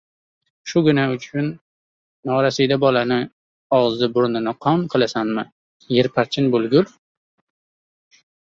— Shugina uchun norasida bolani og‘zi burnini qon qilasanmi, yerparchin bo‘lgur?